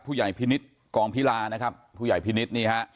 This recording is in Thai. พินิษฐ์กองพิลานะครับผู้ใหญ่พินิษฐ์นี่ฮะ